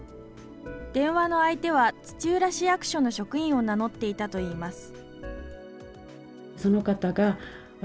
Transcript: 電話の相手は土浦市役所の職員を名乗っていたといいます。